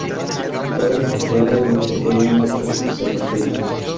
Su padre probablemente era un maestro cerrajero.